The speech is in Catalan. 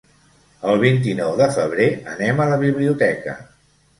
El vint-i-nou de febrer anem a la biblioteca.